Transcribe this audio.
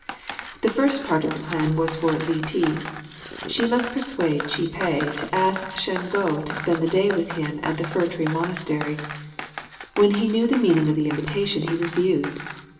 The first part of the plan was for Li ti. She must persuade Chih peh to ask Shen go to spend the day with him at the Fir tree Monastery. When he knew the meaning of the invitation he refused.